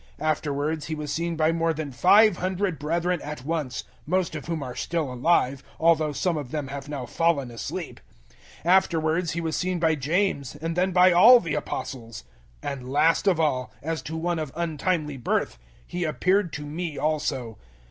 015:006 Afterwards He was seen by more than five hundred brethren at once, most of whom are still alive, although some of them have now fallen asleep. 015:007 Afterwards He was seen by James, and then by all the Apostles. 015:008 And last of all, as to one of untimely birth, He appeared to me also.